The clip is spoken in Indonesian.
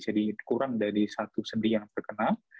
jadi kurang dari satu sendi yang terkenal